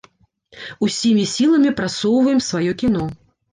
Усімі сіламі прасоўваем сваё кіно.